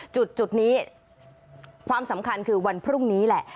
จุดนี้ความสำคัญคือวันพรุ่งนี้แหละ